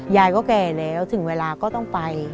ยายก็แก่แล้วถึงเวลาก็ต้องไป